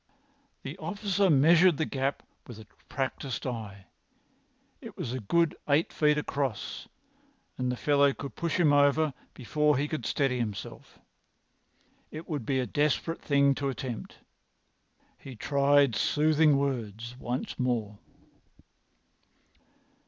The officer measured the gap with a practised eye. It was a good eight feet across, and the fellow could push him over before he could steady himself. It would be a desperate thing to attempt. He tried soothing words once more.